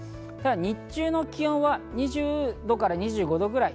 日中の気温は２０度から２５度ぐらい。